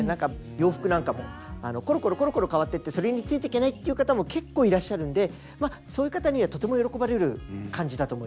洋服なんかもころころころころ変わってってそれについていけないっていう方も結構いらっしゃるんでまあそういう方にはとても喜ばれる感じだと思います。